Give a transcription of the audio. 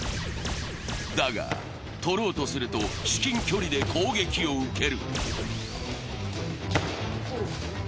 だが、取ろうとすると至近距離で攻撃を受ける。